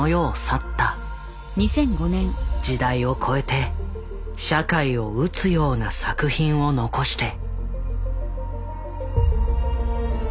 時代を超えて社会を撃つような作品を残して。